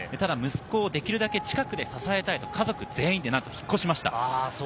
息子をできるだけ近くで支えたい、家族全員で引っ越しました。